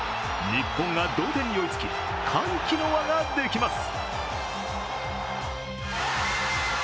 日本が同点に追いつき歓喜の輪が出来ます。